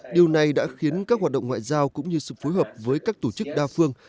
điều này đã khiến các hoạt động ngoại giao cũng như sự phối hợp với các tổ chức đa phương